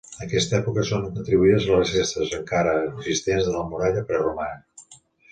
A aquesta època són atribuïdes les restes encara existents de la muralla preromana.